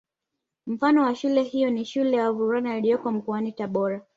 Mfano wa shule hiyo ni Shule ya wavulana iliyoko mkoani Tabora